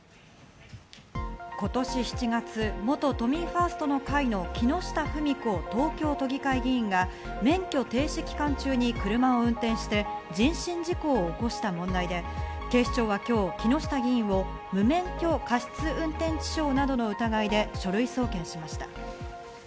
今年７月、元都民ファーストの会の木下富美子東京都議会議員が免許停止期間中に車を運転して人身事故を起こした問題で、警視庁は今日、木下議員を無免許過失運転致傷などの疑いで書類送検しました。